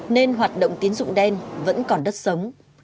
nên hoạt động tín dụng đen vẫn còn đất sống